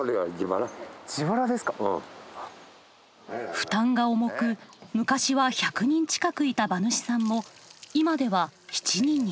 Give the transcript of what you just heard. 負担が重く昔は１００人近くいた馬主さんも今では７人になりました。